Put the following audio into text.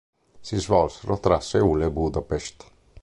Si svolsero tra Seul e Budapest.